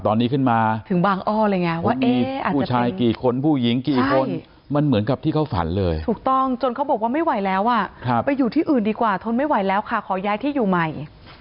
ถูกต้องจนเขาบอกว่าไม่ไหวแล้วอ่ะครับไปอยู่ที่อื่นดีกว่าทนไม่ไหวแล้วค่ะขอย้ายที่อยู่ใหม่